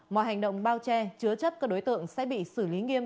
mọi hành động bao che chứa chấp các đối tượng sẽ bị xử lý nghiêm